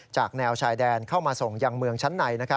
แนวชายแดนเข้ามาส่งยังเมืองชั้นใน